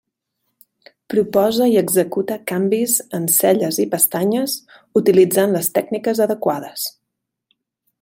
Proposa i executa canvis en celles i pestanyes utilitzant les tècniques adequades.